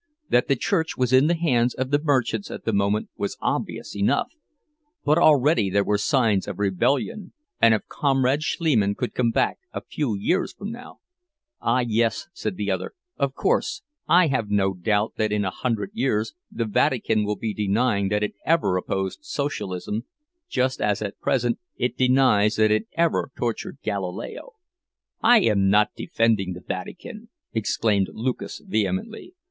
That the church was in the hands of the merchants at the moment was obvious enough; but already there were signs of rebellion, and if Comrade Schliemann could come back a few years from now— "Ah, yes," said the other, "of course, I have no doubt that in a hundred years the Vatican will be denying that it ever opposed Socialism, just as at present it denies that it ever tortured Galileo." "I am not defending the Vatican," exclaimed Lucas, vehemently.